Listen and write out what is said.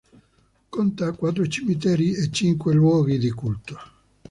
Conta quattro cimiteri e cinque luoghi di culto.